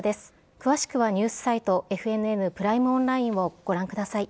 詳しくはニュースサイト、ＦＮＮプライムオンラインをご覧ください。